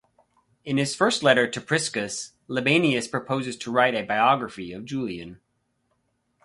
In his first letter to Priscus, Libanius proposes to write a biography of Julian.